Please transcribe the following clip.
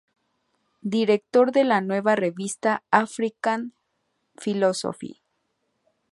Director de la nueva revista "African Philosophy".